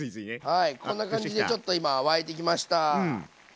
はいこんな感じでちょっと今沸いてきました。